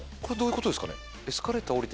これどういうことですかね？